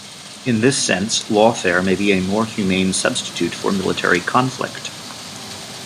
In this sense lawfare may be a more humane substitute for military conflict.